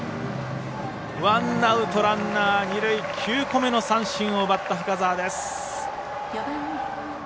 ワンアウト、ランナー、二塁９個目の三振を奪った深沢です。